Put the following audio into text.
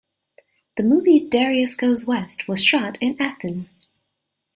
The movie "Darius Goes West" was shot in Athens.